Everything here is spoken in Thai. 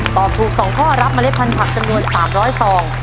ตอบถูก๒ข้อรับเล็ดพันธุ์จำนวน๓๐๐ซอง